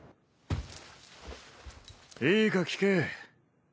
いい聞け。